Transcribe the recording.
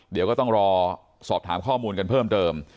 เดี๋ยวก็ต้องรอสอบถามข้อมูลกันเพิ่มเติม